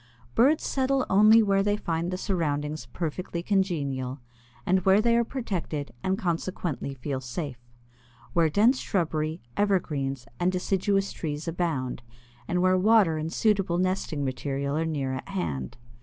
Birds settle only where they find the surroundings perfectly congenial, and where they are protected and consequently feel safe; where dense shrubbery, evergreens, and deciduous trees abound, and where water and suitable nesting material are near at hand.